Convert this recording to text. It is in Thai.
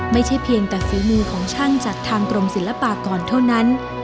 ไม่ใช่เพียงแต่ฝีมือของช่างจากทางกรมศิลปากรเท่านั้น